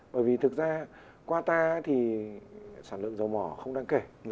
bởi vì thực ra qua ta thì sản lượng dầu mỏ không đáng kể